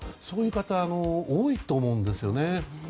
そういう方、多いと思うんです。